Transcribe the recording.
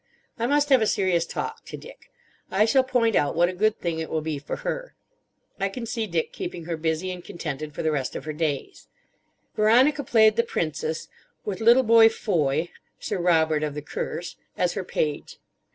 I must have a serious talk to Dick. I shall point out what a good thing it will be for her. I can see Dick keeping her busy and contented for the rest of her days. Veronica played the Princess,—with little boy Foy—"Sir Robert of the Curse"—as her page.